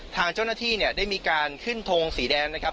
ทางเจ้าหน้าที่เนี่ยได้มีการขึ้นทงสีแดงนะครับ